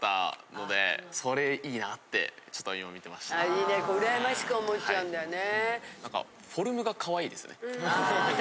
いいねうらやましく思っちゃうんだよね。